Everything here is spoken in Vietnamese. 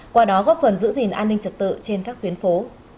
qua đó góp phần giữ gìn an ninh trật tự trên các tuyến phố